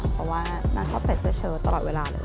เพราะว่าน้าชอบใส่เสื้อเชิดตลอดเวลาเลยค่ะ